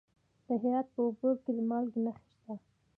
د هرات په اوبې کې د مالګې نښې شته.